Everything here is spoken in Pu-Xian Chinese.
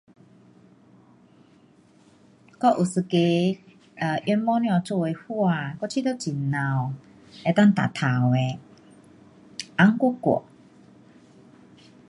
我有一个 um 用毛线做的花，我觉得很美,能够夹头的，红冬冬。